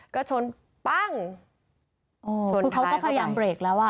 ก็ชนปั้งโอ้เค้าก็พยายามเบรกแล้วอ่ะ